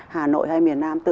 hà nội hay miền nam tự